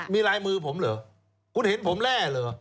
มีลายมือผมเหรอคุณเห็นผมแร่เหรอ